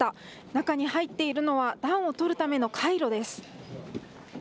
中に入っているのは暖を取るためのカイロです。